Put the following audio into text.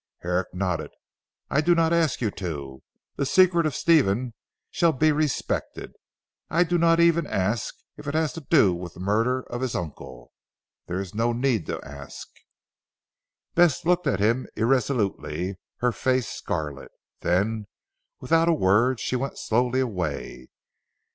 Herrick nodded. "I do not ask you to. The secret of Stephen shall be respected. I do not even ask you if it has to do with the murder of his uncle. There is no need to ask." Bess looked at him irresolutely, her face scarlet. Then without a word she went slowly away.